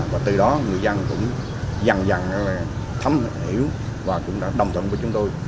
và từ đó người dân cũng dần dần thấm hiểu và cũng đã đồng thuận với chúng tôi